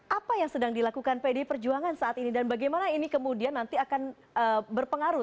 apa yang sedang dilakukan pdi perjuangan saat ini dan bagaimana ini kemudian nanti akan berpengaruh